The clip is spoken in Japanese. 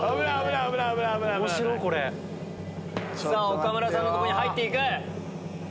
岡村さんのとこに入って行く。